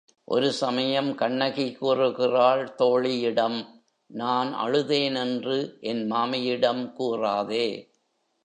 ஒரு சமயம் கண்ணகி கூறுகிறாள் தோழியிடம், நான் அழுதேனென்று என் மாமியிடம் கூறாதே.